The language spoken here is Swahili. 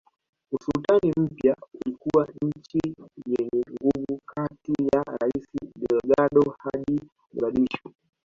Usultani mpya ulikuwa nchi yenye nguvu kati ya Rasi Delgado hadi Mogadishu